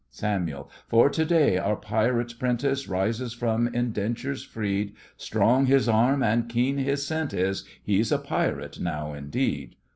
SAMUEL: For today our pirate 'prentice Rises from indentures freed; Strong his arm, and keen his scent is He's a pirate now indeed!